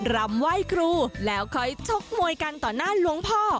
รำไหว้ครูแล้วค่อยชกมวยกันต่อหน้าหลวงพ่อ